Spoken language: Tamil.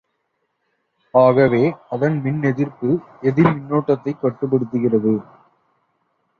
ஆகவே, அதன் மின்எதிர்ப்பு எதிர் மின்னோட்டத்தைக் கட்டுப்படுத்துகிறது.